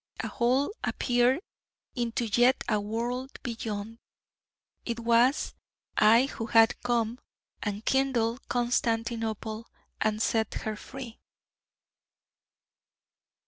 a hole appeared into yet a world beyond! It was I who had come, and kindled Constantinople, and set her free.